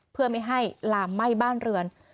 เพื่อไม่ให้ลามไหม้บ้านเรือน